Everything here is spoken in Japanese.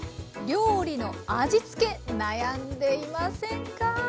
料理の味付け悩んでいませんか？